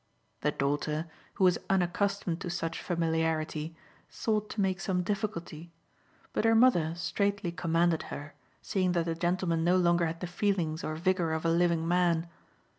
The daughter, who was unaccustomed to such familiarity, sought to make some difficulty, but her mother straightly commanded her, seeing that the gentleman no longer had the feelings or vigour of a living man.